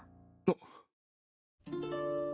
あっ。